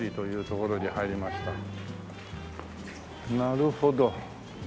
なるほど。